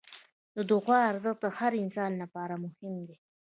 د دعا ارزښت د هر انسان لپاره مهم دی.